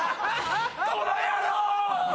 この野郎！